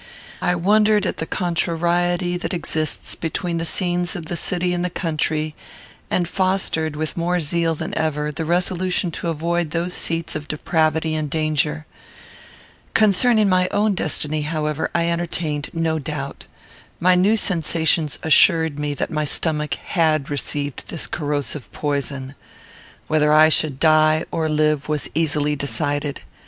I wondered at the contrariety that exists between the scenes of the city and the country; and fostered, with more zeal than ever, the resolution to avoid those seats of depravity and danger. Concerning my own destiny, however, I entertained no doubt. My new sensations assured me that my stomach had received this corrosive poison. Whether I should die or live was easily decided.